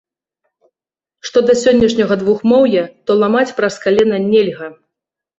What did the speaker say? Што да сённяшняга двухмоўя, то ламаць праз калена нельга.